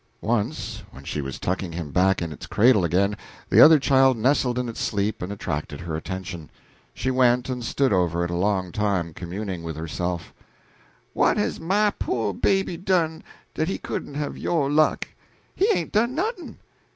Once, when she was tucking it back in its cradle again, the other child nestled in its sleep and attracted her attention. She went and stood over it a long time communing with herself: "What has my po' baby done, dat he couldn't have yo' luck? He hain't done noth'n'.